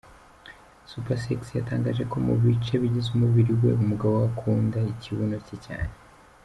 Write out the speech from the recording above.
Supersexy yatangaje ko mu bice bigize umubiri we umugabo we akunda ikibuno cye cyane.